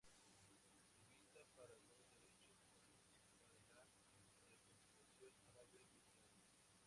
Activista para los derechos humanos y para la reconciliación árabe-israelí.